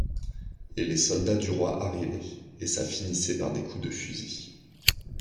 Et les soldats du roi arrivaient, et ça finissait par des coups de fusil.